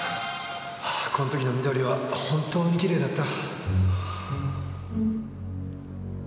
この時のみどりは本当にきれいだった。